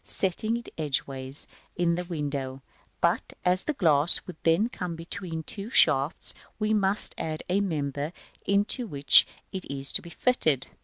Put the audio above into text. setting it edgeways in the window: but as the glass would then come between the two shafts, we must add a member into which it is to be fitted, as at a, Fig.